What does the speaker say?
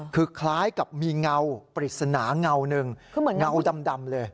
คือคล้ายกับมีเงาปริศนาเงาหนึ่งเงาดำเลย